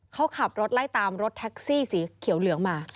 เขาขับรถไล่ตามรถแท็กซี่สีเขียวเหลืองมา